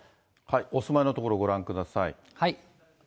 お住まいの所、ご覧ください。